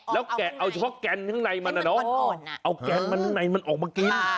แล้วเอาเพราะแกนข้างในมันเอาแกนข้างในมันออกมากิน